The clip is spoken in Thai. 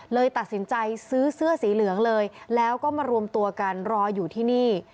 เลยตัดสินใจซื้อเสื้อสีเหลืองเลยแล้วก็มารวมตัวกันรออยู่ที่นี่